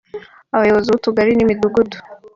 Abayobozi b’utugari n’imidugudu